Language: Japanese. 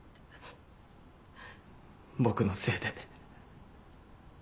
僕のせいで。